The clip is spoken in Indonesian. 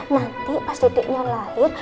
nanti pas dedeknya lahir